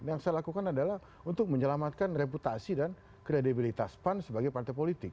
yang saya lakukan adalah untuk menyelamatkan reputasi dan kredibilitas pan sebagai partai politik